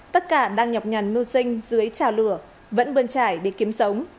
tất cả đang nhọc nhằn mưu sinh dưới trào lửa vẫn bơn trải để kiếm sống